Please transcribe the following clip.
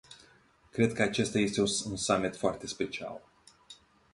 Cred că acesta este un summit foarte special.